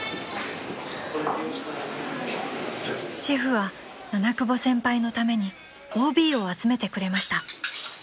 ［シェフは七久保先輩のためにＯＢを集めてくれました］